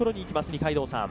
二階堂さん